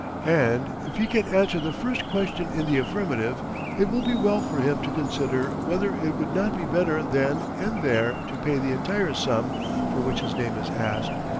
And if he can answer the first question in the affirmative it will be well for him to consider whether it would not be better then and there to pay the entire sum for which his name is asked.